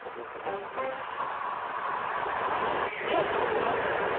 見つけたかも。